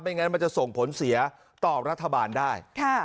งั้นมันจะส่งผลเสียต่อรัฐบาลได้